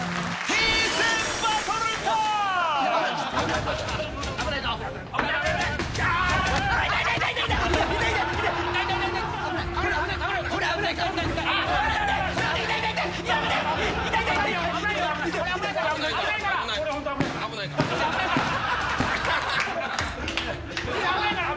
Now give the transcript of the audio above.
Ｔ危ないから！